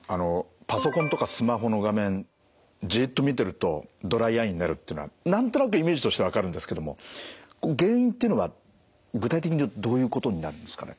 パソコンとかスマホの画面じっと見てるとドライアイになるってのは何となくイメージとして分かるんですけども原因っていうのは具体的にはどういうことになるんですかね。